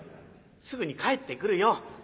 すぐに帰ってくるよ」。